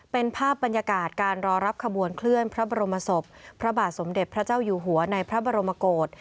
เป็นภาพบรรยากาศการรอรับขบวนเคลื่อนพระบรมศพพระบาทสมเด็จพระเจ้าอยู่หัวในพระบรมโกศ